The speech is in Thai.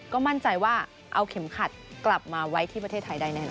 ก็มั่นใจว่าเอาเข็มขัดกลับมาไว้ที่ประเทศไทยได้แน่น